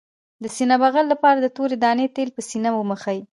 د سینې بغل لپاره د تورې دانې تېل په سینه ومښئ